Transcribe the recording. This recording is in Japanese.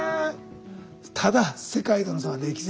ただ世界との差は歴然。